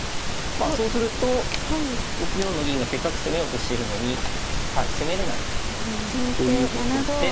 そうすると６四の銀がせっかく攻めようとしているのに攻めれない。ということで。